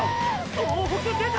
総北出た！！